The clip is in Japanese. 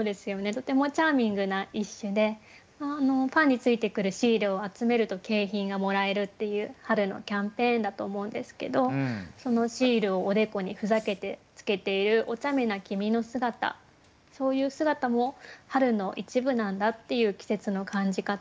とてもチャーミングな一首でパンについてくるシールを集めると景品がもらえるっていう春のキャンペーンだと思うんですけどそのシールをおでこにふざけてつけているおちゃめな君の姿そういう姿も春の一部なんだっていう季節の感じ方。